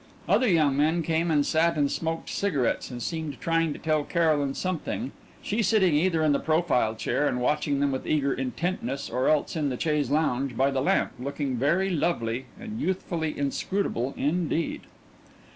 Other young men came and sat and smoked cigarettes, and seemed trying to tell Caroline something she sitting either in the profile chair and watching them with eager intentness or else in the chaise longue by the lamp, looking very lovely and youthfully inscrutable indeed.